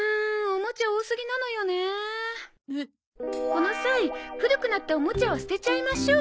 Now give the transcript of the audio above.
この際古くなったおもちゃは捨てちゃいましょう。